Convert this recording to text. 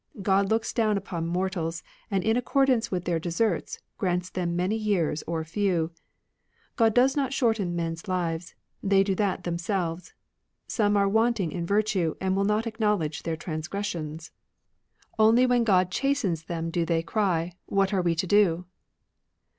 God looks down upon mortals, and in accord ance with their deserts grants them many years or few. God does not shorten men's lives ; they do that themselves. Some are wanting in virtue, and will not acknowledge their transgressions ; II RELIGIONS OF ANCIENT CHINA only when Grod chastens them do they cry, What are we to do